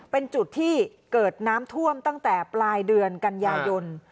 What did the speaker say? เป็นจุดที่เกิดน้ำท่วมตั้งแต่ปลายเดือนกันยายน